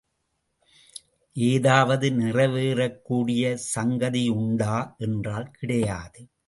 ஏதாவது நிறைவேறக்கூடிய சங்கதியுண்டா என்றால் கிடையாது.